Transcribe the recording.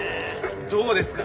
どうですか？